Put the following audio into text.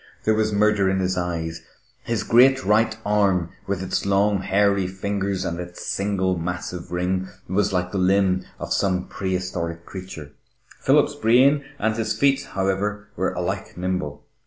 There was murder in his eyes. His great right arm, with its long, hairy fingers and its single massive ring, was like the limb of some prehistoric creature. Philip's brain and his feet, however, were alike nimble.